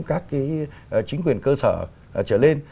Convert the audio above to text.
các cái chính quyền cơ sở trở lên